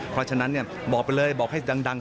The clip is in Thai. เพราะฉะนั้นบอกไปเลยบอกให้ดัง